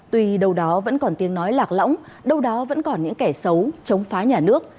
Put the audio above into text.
tuy đâu đó vẫn còn tiếng nói lạc lõng đâu đó vẫn còn những kẻ xấu chống phá nhà nước